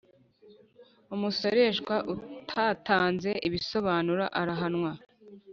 umusoreshwa utatanze ibisobanuro arahanwa